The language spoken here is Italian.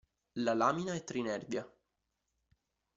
La lamina è tri-nervia.